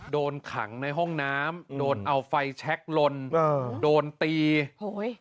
โดนขังในห้องน้ำโดนเอาไฟแช็คลนเออโดนตีโอ้ย